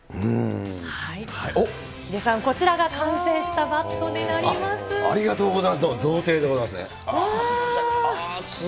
ヒデさん、こちらが完成したバットになります。